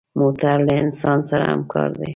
موټر له انسان سره همکار دی.